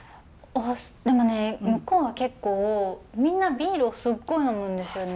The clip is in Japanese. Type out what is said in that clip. でもね向こうは結構みんなビールをすっごい呑むんですよね。